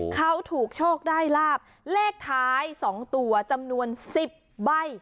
เขาถูกโชคได้ลาบเลขท้าย๒ตัวจำนวน๑๐ใบ